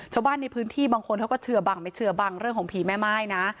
ชาวบ้านในพื้นที่บางคนเขาก็เชื่อบังไม่เชื่อบังเรื่องของผีแม่ม่ายนะ